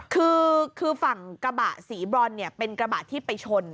คือฝั่งกระบะสีบรอนเนี่ยเป็นกระบะที่ไปชน